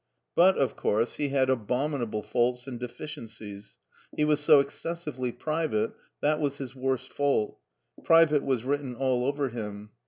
But, of course, he had abom inable faults and deficiencies; he was so excessively private, that was his worst fault: private was written all over him.